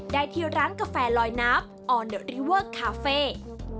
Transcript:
ได้ที่ร้านกาแฟลอยน้ำออเดอริเวอร์คาเฟ่